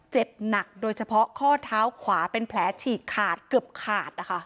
เจ็บหนักโดยเฉพาะข้อเท้าขวาเป็นแผลฉีกขาดเกือบขาดนะคะ